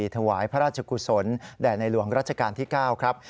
ถวายพระราชกุศลแด่ในหลวงรัชกาลที่๙ครับ